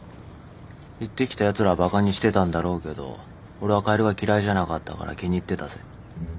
言ってきたやつらはバカにしてたんだろうけど俺はカエルが嫌いじゃなかったから気に入ってたぜ。